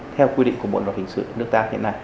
theo quy định của bộ luật hình sự nước ta hiện nay